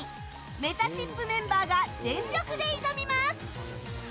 めたしっぷメンバーが全力で挑みます！